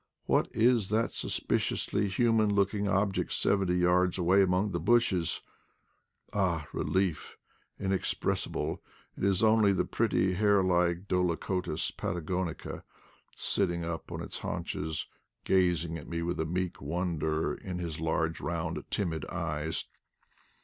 what is that sus piciously human looking object seventy yards away amongst the bushes T Ah, relief inexpres sible, it is only the pretty hare like Dolichotis patagonica sitting up on his haunches, gazing at me with a meek wonder in his large round timid eyes.